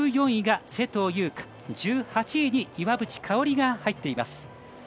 １４位が勢藤優花１８位に岩渕香里が入っています。